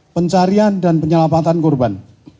pencarian dan penyelamatan korban